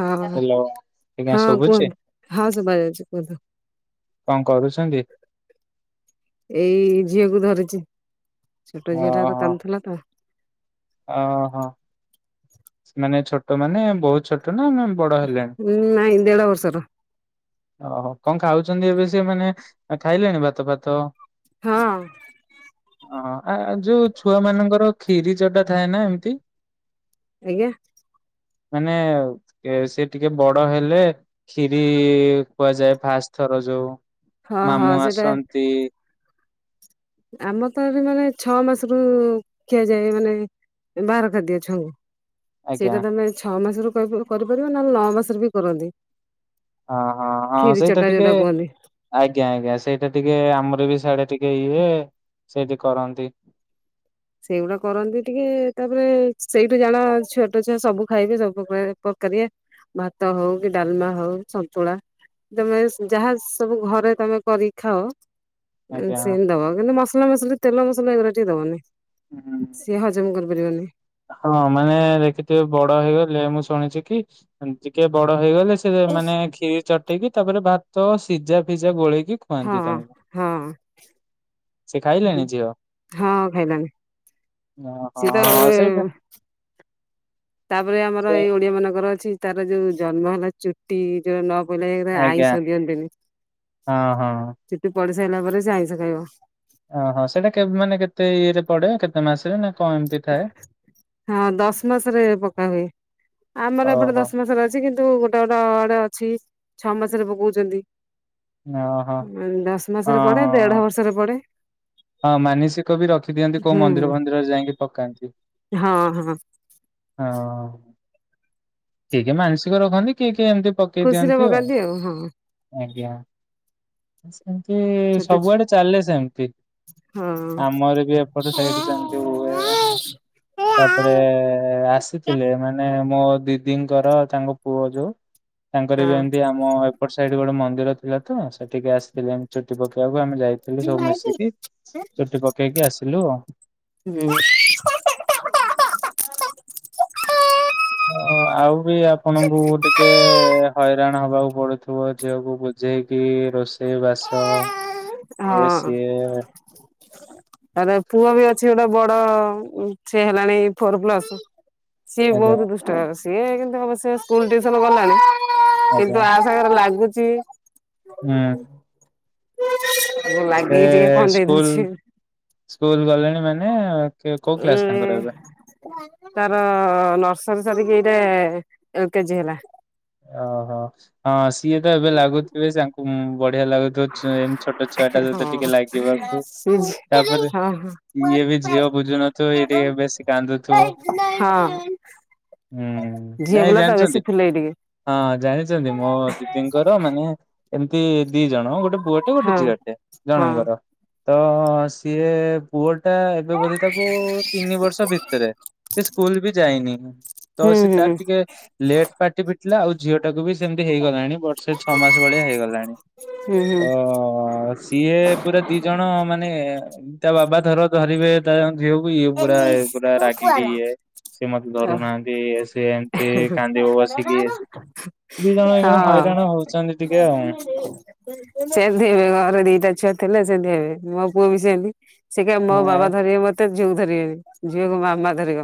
ହଁ ହଁ। ହ୍ୟାଲୋ ଆଜ୍ଞା ଶୁଭୁଛି ହଁକୁହନ୍ତୁ ହଁ ସୁବା ଯାଉଚି କୁହନ୍ତୁ। କଣ କରୁଛନ୍ତି? ଏଇ ଝିଅକୁୁ ଧରିଚି। ଛୋଟ ଝିଅ ଟା ତ ଓହୋ କାନ୍ଦୁଥିଲା ତ। ଓହୋ। ସେ ମାନେ ଛୋଟ ମାନେ ବହୁତ ଛୋଟ ନା ବଡ ହେଲେଣି? ହୁଁ ନାଇଁ ଦେଢ ବର୍ଷର। ଓ କଣ ଖାଉଛନ୍ତି, ଏବେ ସେ ମାନେ ଖାଇଲେଣି ଭାତ ଫାତ? ହଁ। ଅ ହଁ। ଆ ଯୋଉ ଛୁଆ ମାନଙ୍କର ଖିରି ଚଟା ଥାଏ ନା ଏମିତି। ଆଜ୍ଞା। ମାନେ ସେ ଟିକେ ବଡ ହେଲେ ଖରୀ କୁହାଯାଏ ଫାଷ୍ଟ ଥର ଯୋଉ ହଁ ହଁ ମାମୁଁ ସେଇଟା ଆସନ୍ତି। ଆମର ତ ଏ ମାନେ ଛଅ ମାସରୁ ଖିଆଯାଏ ମାନେ ବାହାର ଖାଦ୍ୟ ଛୁଆଙ୍କୁ ଆଜ୍ଞା ସେଇଟା ତମେ ଛଅ ମାସରୁ କରୁ କରୁ କରିପାରିବ ନ ହେଲେ ନଅ ମାସରେ ବି କରନ୍ତି। ହଁ ହଁ ହଁ କ୍ଷୀରି ସେଇଟା ଚଟା ଟିକେ ଯୋଉଟା କୁହନ୍ତି। ଆଜ୍ଞା ଆଜ୍ଞା ସେଇଟା ଟିକେ ଆମର ବି ସିଆଡେ ଟିକେ ଇଏ ସେଇଠି କରନ୍ତି। ସେଇଗୁଡା କରନ୍ତି ଟିକେ ତାପରେ ସେଇଠୁ ଜାଣ ଛୋଟ ଛୁଆ ସବୁ ଖାଇବେ ସବୁ ଫୋପାଡିବେ ପକାରିବେ। ଭାତ ହଉ କି ଡାଲମା ହଉ ସନ୍ତୁଳା। ତମେ ଯାହା ସବୁ ଘରେ ତମେ କରିକି ଖାଅ। ଏ ଆଜ୍ଞା ସେମିତି ଦବ କିନ୍ତୁ ମସଲା ମସିଲି ତେଲ ମସଲା ଏଗୁରା ଟିକେ ଦବନି। ହୁଁ ହୁଁ। ସିଏ ହଜମ କରିପାରିବନି। ହଁ ମାନେ ଦେଖିଥିବେ ବଡ ହେଇଗଲେ ମୁଁ ଶୁଣିଛି କି ଟିକେ ବଡ ହେଇଗଲେ ସେ ହଁ ମାନେ ଖିରୀ ଚଟେଇକି ତାପରେ ଭାତ ସିଝା ଫିଜା ଗୋଳେଇକି ହଁ ଖୁଆନ୍ତି ତାଙ୍କୁ। ହଁ ସେ ଖାଇଲେଣି ହଁ ଖାଇଲାଣିି। ନ ହଁ ସେ ଉୁଁ। ତାପରେ ଆମର ସେ ଏଇ ଓଡିଆ ମାନଙ୍କର ଅଛି ତାର ଯୋଉ ଜନ୍ମ ହେଲା ଚୁ ଟି ଯୋଉ ନ ପଇଲେ ଏରା ଆଜ୍ଞା ଆଇଁଷ ଦଅନ୍ତୀନି। ହଁ ହଁ। ଚୁଟି ପଡି ସାଇଲା ପରେ ସେ ଆଇଁଷ ଖାଇବା। ଅ ହ ସେଇଟା କେବେ ମାନେ କେତେ ଇଏରେ ପଡେ କେତେ ମାସେ ନା କଣ ଏମିତି ଥାଏ ହଁ ଦଶ ମାସରେ ପକା ହୁଏ ଆମର ଏପଟେ ଓହୋ। ଦଶ ମାସରେ ଅ ଛି କିନ୍ତୁ ଗୋଟେ ଗୋଟେ ଆଡେ ଅଛି ଛଅ ମାସରେ ପକଉଚନ୍ତି। ଓହୋ ହଁ ଦଶ ମାସରେ ପଡେ ହଁ। ଦେଢ ବର୍ଷରେ ପଡେ। ହଁ ମାନସିକ ବି ରଖିଦିଅନ୍ତି କୋଉ ହୁଁ ମନ୍ଦିର ଫନ୍ଦିର ଯାଇକି ପକାନ୍ତି। ହଁ ହଁ। ହଁ। କିଏ କିଏ ମାନସିକ ରଖନ୍ତି କିଏ କିଏ ଏମିତି ପକେଇ ଖୁସିରେ ଦିଅନ୍ତି ପକାନ୍ତି ହଁ ଆଉ। ଆଜ୍ଞା ସେମତି ଛୋଟ ସବୁଆଡେ ଚାଲେ ସେମିତି। ହଁ ଆମର ବି ଏପଟ ସାଇଠି ସେମିତି ହୁଏ। ତାପରେ ଆସି ଥିଲେ ମାନେ ମୋ ଦିଦିଙ୍କର ତାଙ୍କ ପୁଅ ଯୋଉ ତାଙ୍କର ହଁ। ବି ଏମିତି ଆମ ଏ ଏପଟ ସାଇଡ ଗୋଟେ ମନ୍ଦିର ଥିଲା ତ ସେଠିକି ଆସିଥିଲେ। ଚୁଟି ପକେଇବାକୁ ଆମେ ଯାଇଥିଲୁ ସବୁ ମିଶିକି ଚୁଟି ପକେଇକି ଆସିଲୁ ଆଉ। ହୁଁ। ହ ଆଉ ବି ଆପଣଙ୍କୁ ଟିକେ ହଇରାଣ ହବାକୁ ପଡୁଥିବ ଝିଅକୁ ବୁଝେଇକି ରୋଷ ଶ ବାସ ଇଏ ସିଏ। ତାରେ ପୁଅ ବି ଅଛି ଗୋଟେ ବଡ ସେ ହେଲାଣି ଫୋର ପ୍ଲସ ସିଏ ଆଜ୍ଞା ବହୁତ୍ ଦୁଷ୍ଟ ସିଏ କିନ୍ତୁ ଅବଶ୍ୟ ସ୍କୁଲ ଟିୟୁସନ ଗଲାଣି ଆଜ୍ଞା କିନ୍ତୁ ଆ ତାଙ୍କର ଲାଗୁଛି। ହୁଁ। ସେ ଲାଗିକି ଟିକେ କନ୍ଦେଇ ସ୍କୁଲ ଦଉଛି। ସ୍କୁଲ ଗଲେଣି ମାନେ କେ- କୋଉ କ୍ଲାସ ତାଙ୍କର ଏବେ? ଉୁଁ। ତାର ନର୍ସରୀ ସରିକି ଏଇଟା ଏ କେଜି ହେଲା। ଓହୋ ହଁ ସିଏ ତ ଏବେ ଲାଗୁଥିବେ ତାଙ୍କୁ ବଢିଆ ଲାଗୁଥିବ। ସୁଣ ଏମିତି ଛୋଟ ଛୁଆ ଟା ସହିତ ଟିକେ ହଁ ଲାଗିବାକୁ ସେ ତାପରେ ହଁ ହଁ। ଇଏ ବି ଝିଅ ବୁଝୁନ ଥିବ ଏ ଟିକେ ବେଶୀ କାନ୍ଦୁଥିବ। ହଁ ହୁଁ ଝିଅ ନାଇଁ ପିଲା ତ ବେଶୀ ଜାଣିଛନ୍ତି। ଫୁଲେଇ ଟିକେ ହଁ ଜାଣିଚନ୍ତି ମୋ ଦିଦିଙ୍କର ମାନେ ଏମତି ଦି ଜଣ ଗୋଟେ ପୁଅ କେ ଗୋଟେ ହଁ ଝିଅଟେ ହଁ ଜଣଙ୍କର ତ ସିଏ ପୁଅଟା ଏବେ ବୋଧେ ତାକୁ ତିନି ବର୍ଷ ଭିତେରେ ସିଏ ସ୍କୁଲ ବି ଯାଇନି ତ ହୁଁ ସି ହୁଁ। ତାର ଟିକେ ଲେଟ୍ ପାଟି ଫିଟିଲା ଆଉ ଜ୍ ଝିଅଟାକୁ ବି ସେମତି ହେଇଗଲାଣି ବର୍ଷେ ଛଅ ମାସେ ଭଳିଆ ହେଇଗଲାଣି ହୁଁ ହୁଁ ତ ସିଏ ପୁରା ଦି ଜଣ ମାନେ ତା ବାବା ଧର ଧରିବେ ତାଙ୍ଗ୍ ଝିଅକୁ ଇଏ ପୁରା ଏ ପୁରା ରାଗିିକି ଇଏ। ସିଏ ମତେ ଧରୁନାହାନ୍ତି ଇଏ ସିଏ ଏମତି କାନ୍ଦିବ ବସ୍ ହଁ। ହଇରାଣ ହଉଛନ୍ତି ଟିକେ ଆଉ। ସେନ୍ତି ହେବେ ଘରେ ଦିଟା ଛୁଆ ଥିଲେ ସେନ୍ତି ହେବେ ମୋ ପୁଅ ବି ସେନ୍ତି। ସେ କହିବ ମୋ ହଁ ବାବା ଧରିବେ ମତେ ଝିଅକୁ ଧରିବେନି ଝିଅକୁ ମାମା ଧରିବ।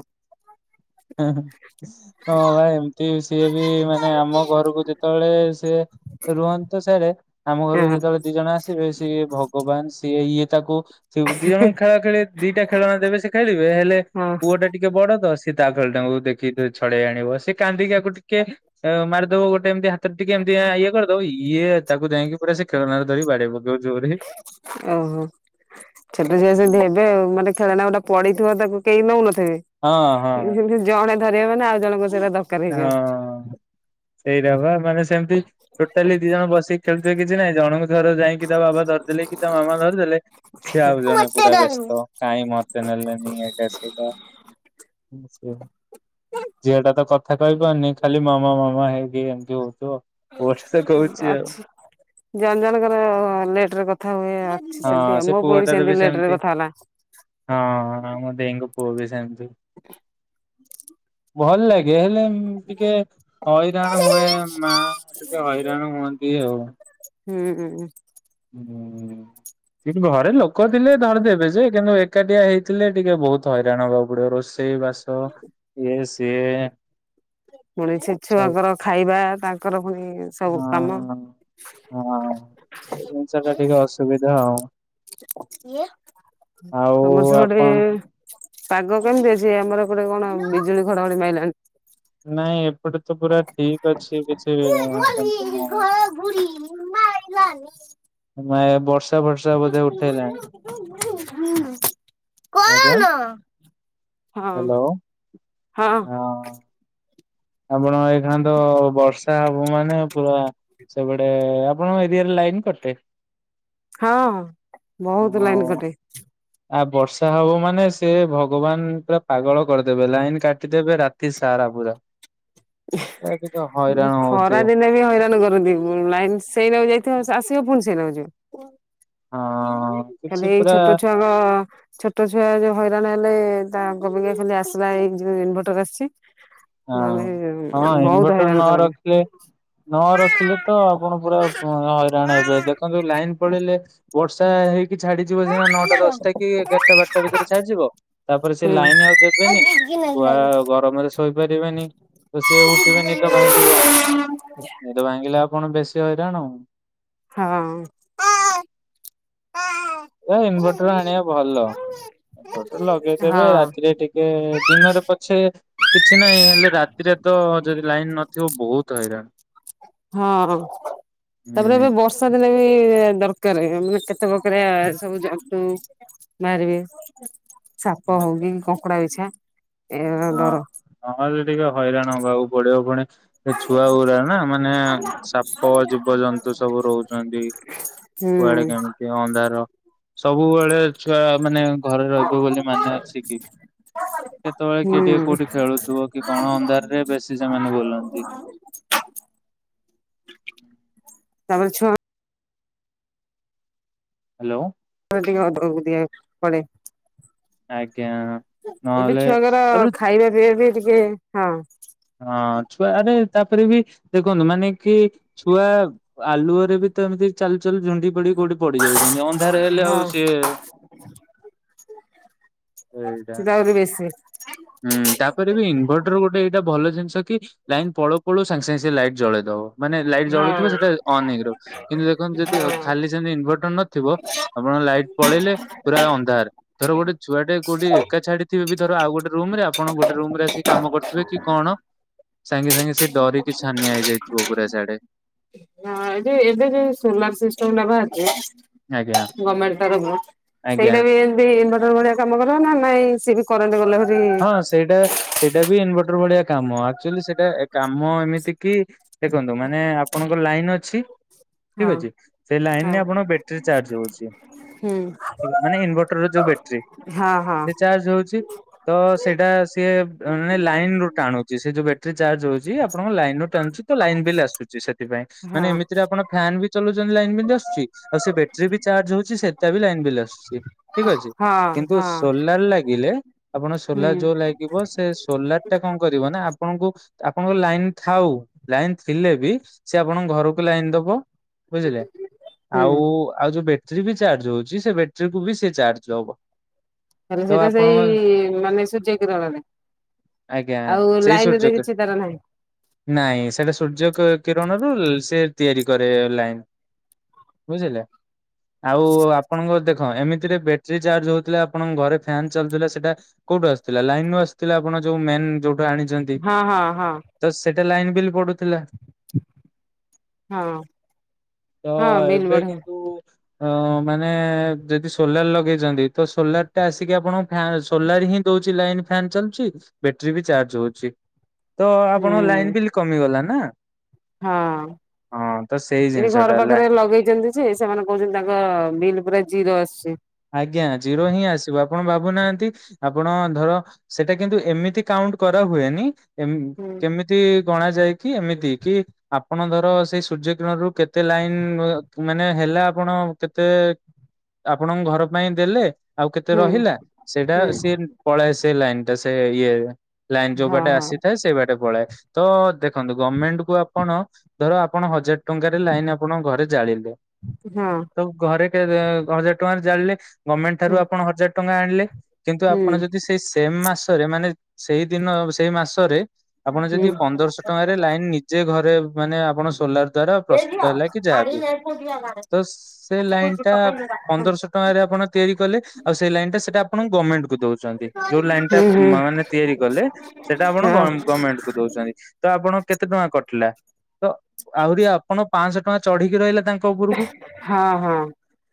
ହେଁ ହେଁ ହଁ ବା ଏମତି ସିଏ ବି ମାନେ ଆମ ଘରୁକୁ ଯେତେବେଳେ ସିଏ ରୁହନ୍ତି ତ ସାଡେ ଆମ ହଁ ଘରୁକୁ ହଁ। ଯେତେବେଳେ ଦି ଜଣ ଆସ୍ ଥିବେ ସିଏ ଭଗବାନ୍ ସିଏ ଇଏ ତାକୁ ଥିବେ ଦି ଜଣଙ୍କୁ ଖେଳା ଖେଳି ଦିଟା ଖେଳଣା ଦେବେ ସେ ଖେଳିବେ ହେଲେ ପୁଅଟା ଟିକେ ବଡ ତ ସି ଏ ତା ଖେଳଟାଙ୍କୁ ଦେଖିକି ଟିକେ ଛଡେଇ ଆଣିବ ସେ କାନ୍ଦିକି ଆକୁ ଟିକେ ଅଁ ମାରିଦବ ଗୋଟେ ଏମତି ହା ତ ଟିକେ ଏମତି ଇଏ କରିଦବ ଇଏ ତାକୁ ଯାଇକି ପୁରା ସେ ଖେଳନାରେ ଧରିକି ବାଡେଇ ପକେଇବ ଜୋରେ। ଓହୋ। ଛୋଟ ଛୁଆ ସେନ୍ତି ହେବେ ଆଉ ମାନେ ଖେଳନା ଗୋଟା ପଡିଥିବ ତାକୁ କେଇ ନଉନଥେବେ ହଁ ଉଁ ହଁ ଯୋଉଠି ଜଣେ ଧରିବ ମାନେ ଆଉ ଜଣଙ୍କର ସେଇଟା ଦ ହଁ। ସେଇଟା ପା ମାନେ ସେମତି ଟୋଟାଲି ଦି ଜଣ ବସିକି ଖେଳୁଥିବେ କିଛି ନାଇଁ ଜଣଙ୍କୁ ଧର ଯାଇକିଁ ତା ବାବା ଧରିଦେଲେ କି ତା ମାମା ଧରିଦେଲେ ସିଏ ଆଉ ଜଣେ ପୁରା ବେସ୍ତ। କାଇଁ ମତେ ନେଲେନି ଏଇଟା ସେଇଟା। ମୁଁ ସେଆ ଝିଅଟା ତ କ କଥା କହିପାରୁନି ଖାଲି ମାମା ମାମା ହେଇକି ଏମତି ହଉଥିବ ବଟ୍ ସେ କହୁଚି ଆଉ। ଅଛି। ଜଣ ଜଣଙ୍କର ଲେଟରେ କଥା ହୁଏ ଅଛି ସେନ୍ତି ହଁ ଆଉ ସେ ମୋ ପୁଅ ବି ପୁଅଟାର ସେନ୍ତି ଲେଟରେ ସେମିତି କଥା ହେଲା। ହଁ ମୋ ଦେଇଙ୍କ ପୁଅ ବି ସେମତି। ଭଲ ଲାଗେ ହେଲେ ଉଁ ଟିକେ ହଇରାଣ ହୁଏ ମା ଟିକେ ହଇରାଣ ହୁଅନ୍ତି ଆଉ। ହୁଁ ଉଁ ଉଁ। ଉଁ ସିନ୍ତି ଘରେ ଲୋକ ଥିଲେ ଧରିଦବେ ଯେ କିନ୍ତୁ ଏକାଟିଆ ହେଇଥିଲେ ଟିକେ ବୋହୁତ ତ ହଇରାଣ ହବାକୁ ପଡିବ ରୋଷେଇ ବାସ ଇଏ ସିଏ ଏଁ। ପୁଣି ସେ ଛୁଆଙ୍କର ଖାଇବା ତାଙ୍କର ଫୁଣି ହଁ ହଁ ସେଇ ଜିନିଷଟା ଟିକେ ଅସୁବିଧା ଆଉ। ଆଉ ତମର ସେପଟେ ଆପଣ ପାଗ କେମତି ଅଛି ଆମର ଏପଟେ କଣ ବିଜୁଳି ଘଡଘଡି ମାଇଲାଣି। ନାଇଁ ଏପଟେ ତ ପୁରା ଠିକ୍ ଅଛି କିଛି ଅ ଆଁ ସେମତି ନାଇଁ। [inaudible] ଆମ ଆଏ ବର୍ଷ୍ ଆଜ୍ଞା [inaudible] ହଁ ହ୍ୟାଲୋ ହଁ। ଆମର ଏଇଖିଣା ତ ବର୍ଷା ହବ ମାନେ ପୁରା ସବୁଆଡେ ଆପଣଙ୍କ ଏରିଆରେ ଲାଇନ୍ କଟେ? ହଁ ବୋହୁତ ଲାଇନ୍ କଟେ। ଆ ବର୍ଷା ହବ ମାନେ ସେ ଭଗବାନ୍ ପୁରା ପାଗଳ କରିଦେବେ ଲାଇନ କାଟିଦେବେ ରା ତି ସାରା ପୁରା। ଏ ଟିକେ ଉଁ ହଇରାଣ ହଉଥିବେ। ଖରାଦିନେ ବି ହଇରାଣ କରନ୍ତି। ଉଁ ଲାଇନ୍ ସେଇନାଗେ ଯାଇଥିବ ସେ ଆସିବ ପୁଣି ସେଇନାଗେ ଯିବ। ହଁ କିଛି ଖାଲି ଏଇ ପୁରା ଛୋଟ ଛୁଆଙ୍କ ଛୋଟ ଛୁଆ ଯୋଉ ହଇରାଣ ହେଲେ ତାଙ୍କ ପାଇଁ ଖାଲି ଆସରା ହେଇ ଯୋଉ ଇନଭର୍ଟର ଆସିଛି। ହଁ ନାହେଲେ ହଁ ବହୁତ ଇନଭଟର ନ ହଇରାଣ ରଖିଲେ କରନ୍ତି। ନ ରଖିଲେ ତ ଆପଣ ପୁରା ହଇରାଣ ହେବେ ଦେଖନ୍ତୁ ଲାଇନ ପଳେଇଲେ ବର୍ଷା ହେଇ କି ଛାଡିଯିବ ସିନା ନଅଟା ଦଶଟା କି ଏଗାରଟା ବାରଟା ଭିତରେ ଛାଡିଯିବ ତାପରେ ସେ ହୁଁ ଲାଇନ ଆଉ ଦେବେନି ଛୁଆ ଗରମରେ ଶୋଇପାରିବେନି ତ ସିଏ ଉଠିବେ ନିଦ ଭାଙ୍ଗିବ ନିଦ ଭାଙ୍ଗିଲେ ଆପଣ ବେଶୀ ହଇରାଣ ହଁ। ଏ ଇନଭଟର ଆଣିବା ଭଲ ଇନଭଟର ଗୋଟେ ଲଗେଇଦେବେ ହଁ। ରାତିରେ ଟିକେ ଦିନରେ ପଛେ କିଛି ନାହିଁ ହେଲେ ରାତିରେ ତ ଯଦି ଲାଇନ ନଥିବ ବହୁତ ହଇରାଣ ହଁ ତାପରେ ହୁଁ ଏବେ ବର୍ଷା ବର୍ଷା ଦିନେ ବି ଦରକାର ମାନେ କେତେ ପ୍ରକାର ସବୁ ଜନ୍ତୁ ବାହାରିବେ ସାପ ହଉ କିି କଙ୍କଡା ବିଛା ଏ ଡର ହଁ ନହେଲେ ଟିକେ ହଇରାଣ ହେବାକୁ ପଡିବ ପୁଣି ସେ ଛୁଆ ଗୁୁରା ନା ମାନେ ସାପ ଜୀବ ଜନ୍ତୁ ସବୁ ରହୁଛନ୍ତି ହୁଁ। କୁଆଡେ କେମିତି ଅନ୍ଧାର ସବୁବେଳେ ଛୁଆ ମାନେ ଘରେ ରହିବ ବୋଲି ମାନେ ଅଛି କି ହ [unintelligible] କେତେବେଳେ ହୁଁ କିଏ ଟିକେ କୋଉଠି ଖେଳୁଥିବ କି କଣ ଅନ୍ଧାରରେ ବେଶୀ ସେମାନେ ବୁଲନ୍ତି। [unintelligible] ତାପରେ ଛୁଆ [unintelligible] ହ୍ୟାଲୋ। ଟିକେ ଅଦି କଳେେ [unintelligible] ଆଜ୍ଞା। ଏବେ ନହେଲେ ଛୁଆଙ୍କର ତାପରେ ଖାଇବା ପିଇବା ବି ଟିକେ ହଁ ହଁ, ଛୁଆ ଆରେ ତାପରେ ବି ଦେଖନ୍ତୁ ମାନେ କି ଛୁଆ ଆଲୁଅରେ ବି ତ ଏମିତି ଚାଲୁଚାଲୁ ଝୁଣ୍ଡି ପଡି କୋଉଠି ପଡି ଯାଉଛନ୍ତି ଅନ୍ଧାର ହେଲେ ଆଉ ହଁ ସିଏ ଏଇଟା ସେଟା ଆହୁରି ବେସୀ ହୁଁ, ତାପରେ ବି ଇନଭର୍ଟର ଗୋଟେ ଏଇଟା ଭଲ ଜିନିଷ କି ଲାଇନ୍ ପଳଉ ପଳଉ ସାଙ୍ଗେ ସାଙ୍ଗେ ସେ ଲାଇଟ ଜଳେଇଦବ। ମାନେ ଲାଇଟ୍ ହଁ ଜଳୁଥିବ ସେଇଟା ଅନ୍ [unintelligible] ହେଇଗିବ କିନ୍ତୁ ଦେଖନ୍ତୁ ଯଦି ହଁ। ଖାଲି ସେମିତି ଇନଭର୍ଟର ନଥିବ ଆପଣ ଲାଇଟ୍ ପଳେଇଲେ ପୁରା ଅନ୍ଧାର ଧର ଗୋଟେ ଛୁଆଟେ କୋଉଠି ଏକ ଛାଡି ଥିବେ ବି ଧର ଆଉ ଗୋଟେ ରୁମ ରେ ଆପଣ ଗୋଟେ ରୁମରେ ଆସି କାମ କରିବେ କି କଣ ସାଙ୍ଗେ ସାଙ୍ଗେ ସେ ଡରିକି ଛାନିଆ ହେଇଯାଇଥିବ ପୁରା ସିଆଡେ? ହଁ ଏ ଯେ ଏବେ ଯୋ ସୋଲାର ସିଷ୍ଟମ ନେବା [unintelligible] ଆଜ୍ଞା। ଗଭର୍ଣ୍ଣମେଣ୍ଟ ତରଫରୁ, ଆଜ୍ଞା ସେଟା ବି ଏମତି ଇନଭର୍ଟର୍‌ରେ ଭଳିଆ କାମ କରିବ ନା ନାଇଁ, [unintelligible] କରନ୍ତି ଗଲେ ଫରି ହଁ [unintelligible] ସେଇଟା ସେଇଟା ବି ଇନଭର୍ଟର ଭଳିଆ କାମ ଆକ୍ଚୁଆଲି ସେଇଟା କାମ ଏମିତି କି ଦେଖନ୍ତୁ ମାନେ ଆପଣଙ୍କ ଲାଇନ ଅଛି ଠିକ ହଁ ଅଛି ସେ ଲାଇନ ହଁ ରେ ଆପଣଙ୍କ ବ୍ୟାଟେରୀ ଚାର୍ଜ ହଉଛି ହୁଁ। ମାନେ ଇନଭର୍ଟର ଯୋଉ ବ୍ୟାଟେରୀ ହଁ ହଁ ସେ ଚାର୍ଜ ହଉଛି ତ ସେଇଟା ସିଏ ମାନେ ଲାଇନ ରୁ ଟାଣୁଛି ସେ ଯୋଉ ବଟେରୀ ଚାର୍ଜ ହଉଛି ଆପଣଙ୍କ ଲାଇନ ରୁ ଟାଣୁଛି ତ ଲାଇନ ବିଲ ଆସୁଛି ସେଥିପାଇଁ ହଁ ମାନେ ଏମିତିରେ ଆପଣ ଫ୍ୟନ୍ ବି ଚଲଉଛନ୍ତି ଲାଇନ ବିଲ ଆସୁଛି ଆଉ ସେ ବ୍ୟାଟେରୀ ବି ଚାର୍ଜ ହଉଛି ସେଟ ବି ଲାଇନ ବିଲ ଆସୁଛି ଠିକ ଅଛି ହଁ କିନ୍ତୁ ହଁ ସୋଲାର ଲାଗିଲେ ଆପଣ ହୁଁ ସୋଲାର ଯୋଉ ଲାଇ ଥିବ ସେ ସୋଲାର ଟା କଣ କରିବ ନା ଆପଣଙ୍କୁ ଆପଣଙ୍କ ଲାଇନ ଥାଉ ଲାଇନ ଥିଲେ ବି ସେ ଆପଣଙ୍କ ଘରକୁ ଲାଇନ ଦବ ବୁଝିଲେ ହୁଁ ଆଉ ଆଉ ଯୋଉ ଯିବେ? ସେ ବି ଚାର୍ଜ ହଉଛି ସେ ବ୍ୟାଟେରିକୁ ବି ସେ ଚାର୍ଜ ହବ। ହେଲେ ସେଇଟା ସେଇ ମାନେ ସୂର୍ଯ୍ୟ କିରଣରେ। ଆଜ୍ଞା ଆଉ ସେଇ ଲାଇନ ସୂର୍ଯ୍ୟ ରେ କି କିଛି ତାର ନାହିଁ। ନାଇଁ ସେଇଟା ସୂର୍ଯ୍ୟ ଙ୍କ କିରଣରୁ ସେ ତିଆରି କରେ ଲାଇନ। ବୁଝିଲେ ଆଉ ଆପଣଙ୍କ ଦେଖ ଏମିତିରେ ବେ ଟେରି ଚାର୍ଜ ହଉଥିଲା ଆପଣଙ୍କ ଘରେ ଫ୍ୟାନ୍ ଚାଲୁଥିଲା ସେଇଟା କୋଉଠୁ ଆସୁଥିଲା? ଲାଇନ ଆଶୁଥିଲା ଆପଣ ଯୋଉ ମେନ୍ ଯୋଉଠୁ ଆଣିଛନ୍ତି। ହଁ ହଁ ହଁ। ତ ସେଟା ଲାଇନ ବି ପଡୁଥିଲା। ହଁ ତ ହଁ ବିଲ୍ ଏବେ ବଢିଆ କିନ୍ତୁ ଅ ମାନେ ଯଦି ସୋଲାର ଲଗେଇଛନ୍ତି ତ ସୋଲାର ଟା ଆସିକି ଆପଣ ଫ୍ୟାନ ସୋଲାର ହିଁ ଦଉଛି ଲାଇନ ଫ୍ୟାନ୍ ଚାଲୁଛି ବ୍ୟାଟେରୀ ବି ଚାର୍ଜ ହଉଛି। ତ ହୁଁ ଆପଣଙ୍କ ଲାଇନ ବିଲ୍ କମିଗଲା ନା। ହଁ, ହଁ ତ ସେଇ ଏଠି ଜିନିଷ ଟା ଘର ହେଲା ପାଖରେ ଲଗେଇଛନ୍ତି। ସେମାନେ କହୁଛନ୍ତି ତାଙ୍କ ବିଲ୍ ପୁରା ଜିରୋ ଆସୁଛି। ଆଜ୍ଞା ଜିରୋ ହିଁ ଆସିବ ଆପଣ ଭାବୁନାହାନ୍ତି ଆପଣ ଧର ସେଟା କିନ୍ତୁ ଏମିତି କାଉଣ୍ଟ କରା ହୁଏନି କେ ହୁଁ କେମି ତି ଗଣା ଯାଇକି ଏମିତି କି ଆପଣ ଧର ସେଇ ସୂର୍ଯ୍ୟ କିରଣରୁ କେତେ ଲାଇନ ହ ମାନେ ହେଲା ଆପଣ କେତେ ଆପଣଙ୍କ ଘର ପାଇଁ ଦେଲେ ଆଉ କେତେ ହୁଁ ରହିଲା ସେଇଟା ହୁଁ ସିଏ ପଳାଏ ସେ ଲାଇନଟା ସେ ଇଏ ଲାଇନ ଯୋଉ ହଁ ବାଟେ ହଁ ଆସିଥାଏ ସେଇ ବାଟେ ପଳାଏ। ତ ଦେଖନ୍ତୁ ଗମେଣ୍ଟ କୁ ଆପଣ ଧର ଆପଣ ହଜାର ଟଙ୍କାରେ ଲାଇନ ଆପଣଙ୍କ ଘରେ ଜାଳିଲେ। ହଁ। ତ ଘରେ ହଜାର ଟଙ୍କାରେ ଜାଣିଲେ ଗମେଣ୍ଟ ଠାରୁ ହୁଁ ଆପଣ ହଜାର ଟଙ୍କା ଆଣିଲେ। କିନ୍ତୁ ହୁଁ ଆପଣ ଯଦି ସେଇ ସେମ ମାସରେ ମାନେ ସେଇ ଦିନ ସେଇ ମାସରେ ଆପଣ ହୁଁ ଯଦି ପନ୍ଦରଶହ ଟଙ୍କାରେ ଲାଇନ ନିଜେ ଘରେ ମାନେ ଆପଣ ସୋଲାର ଦ୍ଵାରା ପ୍ରସ୍ତୁତ ହେଲା କି ଯାହାବି ତ ସେ ଲାଇନ ଟା ପନ୍ଦରଶହ ଟଙ୍କାରେ ଆପଣ ତିଆରି କଲେ ଆଉ ସେଇ ଲାଇନଟା ସେଟା ଆପଣ ଗମେଣ୍ଟକୁ ଦଉ ଦଉଛନ୍ତି ଯୋଉ ଲାଇନଟା ହୁଁ ହୁଁ ମାନେ ତିଆରି କଲେ ସେଟା ଆପଣ ଗ ଗମେଣ୍ଟକୁ ଦଉଛନ୍ତି। ତ ଆପଣ କେତେ ଟଙ୍କା କଟିଲା ତ ଆହୁରି ଆପଣ ପାଞ୍ଚଶହ ଟଙ୍କା ଚଢିକି ରହିଲା ତାଙ୍କ ତ ଉପରକୁ। ହଁ ହଁ।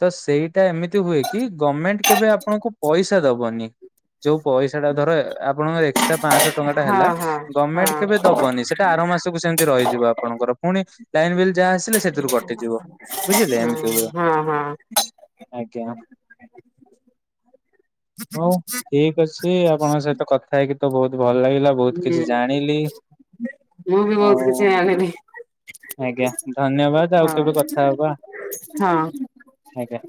ତ ସେଇଟା ଏମିତି ହୁଏ କି ଗମେଣ୍ଟ କେବେ ଆପଣଙ୍କୁ ପଇସା ଦବନି। ଯୋଉ ପଇସା ଟା ଧର ଏ ଆପଣଙ୍କର ଏକ୍ସଟ୍ରା ପାଞ୍ଚଶହ ଟଙ୍କା ଟା ହେଲା। ହଁ ହଁ ହଁ ହଁ ଗମେଣ୍ଟ କେବେ ଦବନି ସେଟା ଆର ମାସକୁ ସେମିତି ରହିଯିବ ଆପଣଙ୍କର ପୁଣି ଲାଇନ ବିଲ୍ ଯାହା ଆସିଲେ ସେଥିରୁ କଟିଯିବ ହଁ ବୁଝିଲେ ଏମିତି ହୁଏ ହଁ ହଁ। ଆଜ୍ଞା ହଉ ଠିକ ଅଛି। ଛି ଆପଣଙ୍କ ସହିତ କଥା ହେଇକି ତ ବହୁତ ଭଲ ଲାଗିଲା ବହୁତ କିଛି ହୁଁ ଜାଣିଲି। ମୁଁ ବି ଆଉ ବହୁତ କିଛି ଜାଣିଲି। ଆଜ୍ଞା ଧନ୍ୟବାଦ ଆଉ ହଁ କେବେ କଥା ହବା ହଁ ଆଜ୍ଞା।